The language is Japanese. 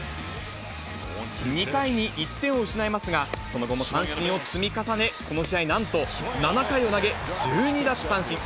２回に１点を失いますが、その後も三振を積み重ね、この試合、なんと７回を投げ１２奪三振。